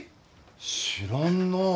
知らんなあ。